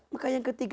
maka yang ketiga